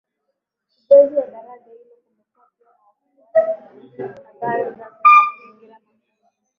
ujenzi wa daraja hilo Kumekuwa pia na wasiwasi kuhusu athari zake kwa mazingira Makundi